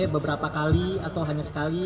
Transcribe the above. beberapa kali atau hanya sekali